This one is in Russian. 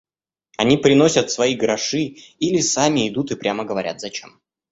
Они приносят свои гроши или сами идут и прямо говорят зачем.